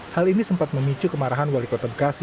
hal ini sempat memicu kemarahan wali kota bekasi